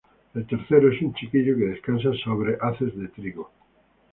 El tercero es un chiquillo que descansa sobre haces de trigo.